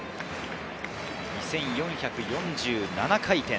２４４７回転。